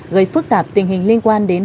gây phức tạp tình hình liên quan đến